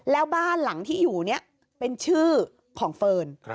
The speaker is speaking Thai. แล้วบ้านหลังที่อยู่เนี่ยเป็นชื่อของเฟิร์น